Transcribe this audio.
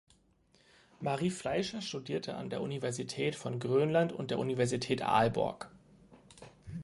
Marie Fleischer studierte an der Universität von Grönland und der Universität Aalborg.